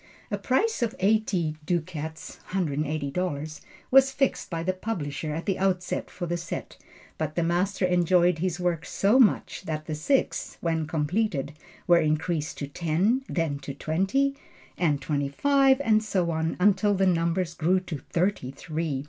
A price of eighty ducats ($180) was fixed by the publisher at the outset for the set, but the master enjoyed his work so much, that the six, when completed, were increased to ten, then to twenty, and twenty five, and so on until the number grew to thirty three.